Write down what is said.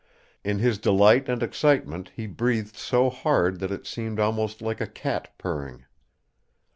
In his delight and excitement he breathed so hard that it seemed almost like a cat purring.